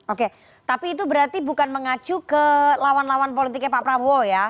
oke tapi itu berarti bukan mengacu ke lawan lawan politiknya pak prabowo ya